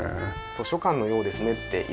図書館のようですねって言われました。